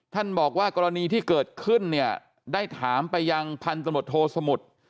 ท่านบอกว่ากรณีที่เกิดขึ้นเนี่ยได้ถามไปยังพันธมตโทสมุทร